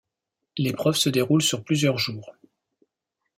L'épreuve se déroule sur plusieurs jours.